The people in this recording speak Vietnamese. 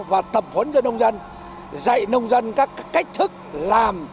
và tập huấn cho nông dân dạy nông dân các cách thức làm